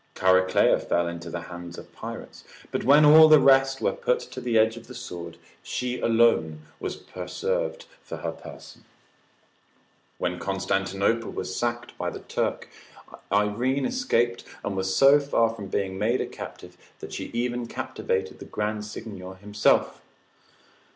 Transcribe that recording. Chariclea fell into the hand of pirates, but when all the rest were put to the edge of the sword, she alone was preserved for her person. When Constantinople was sacked by the Turk, Irene escaped, and was so far from being made a captive, that she even captivated the Grand Signior himself.